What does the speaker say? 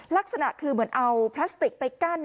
ลักษณะคือเหมือนเอาพลาสติกไปกั้น